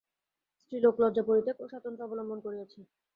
স্ত্রীলোক লজ্জা পরিত্যাগ ও স্বাতন্ত্র্য অবলম্বন করিয়াছে।